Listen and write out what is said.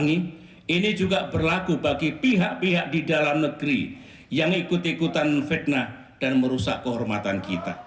ini juga berlaku bagi pihak pihak di dalam negeri yang ikut ikutan fitnah dan merusak kehormatan kita